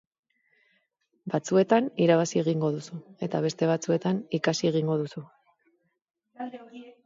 Batzuetan irabazi egingo duzu eta beste batzuetan ikasi egingo duzu.